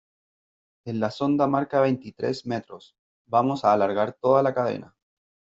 en la sonda marca veintitrés metros . vamos a alargar toda la cadena